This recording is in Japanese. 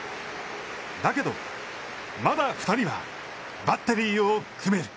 だけど、まだ２人はバッテリーを組める！